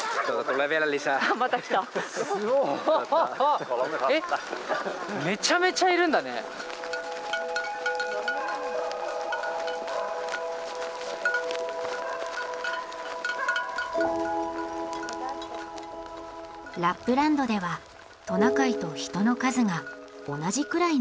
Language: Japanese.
ラップランドではトナカイと人の数が同じくらいなんだとか。